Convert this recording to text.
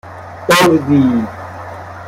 اُردی